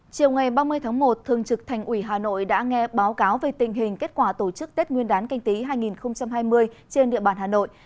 chiều ngày ba mươi tháng một thường trực thành ủy hà nội đã nghe báo cáo về tình hình kết quả tổ chức tết nguyên đán canh tí hai nghìn hai mươi trên địa bàn hà nội